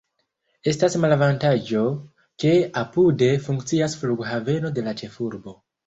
Estas malavantaĝo, ke apude funkcias flughaveno de la ĉefurbo.